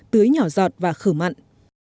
tưới nhỏ giọt và khởi mặn